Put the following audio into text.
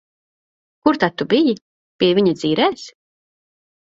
Kur tad tu biji? Pie viņa dzīrēs?